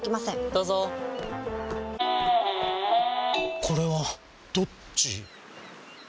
どうぞこれはどっち？